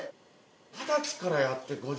ハタチからやって５０。